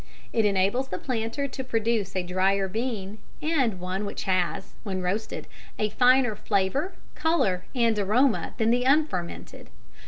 It enables the planter to produce a drier bean, and one which has, when roasted, a finer flavour, colour, and aroma, than the unfermented.